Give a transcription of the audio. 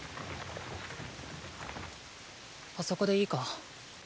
あそこでいいか？